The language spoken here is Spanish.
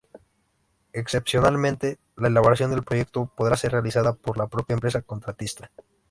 Excepcionalmente, la elaboración del proyecto podrá ser realizada por la propia empresa contratista.